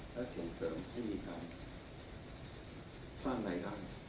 และส่งเสริมให้มีการสร้างรายได้